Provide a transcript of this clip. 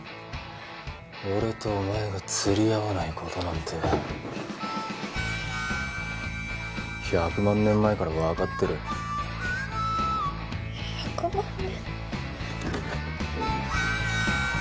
俺とお前が釣り合わないことなんて１００万年前から分かってる１００万年？